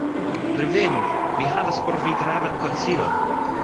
"Revenu! mi havas por vi gravan konsilon.